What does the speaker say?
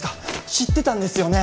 知ってたんですよね？